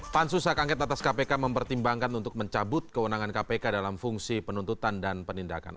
pansus hak angket atas kpk mempertimbangkan untuk mencabut kewenangan kpk dalam fungsi penuntutan dan penindakan